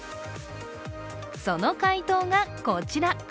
その回答がこちら。